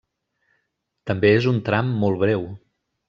També és un tram molt breu.